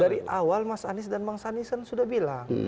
dari awal mas anies dan bang sandi sudah bilang